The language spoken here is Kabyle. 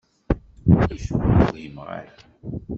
Acuɣer ur whimeɣ ara?